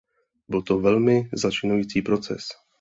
Byl to velmi začleňující proces.